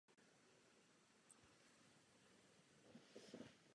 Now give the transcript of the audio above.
Ze severozápadu vedou do náměstí dvě další ulice.